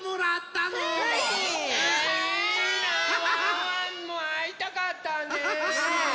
ワンワンもあいたかった。ね。